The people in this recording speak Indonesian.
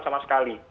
terima kasih sekali